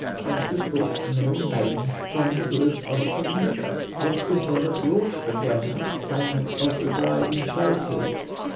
Whence was brought the merry maiden, From the village of Tanikka? Thence was never brought the playmate, Playmate of the bride in childhood.